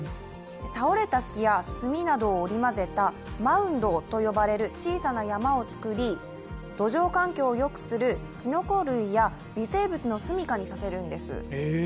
倒れた木や炭などを織り交ぜたマウンドという小さな山をつくり、路上環境をよくするきのこ類や微生物のすみかにさせるんです。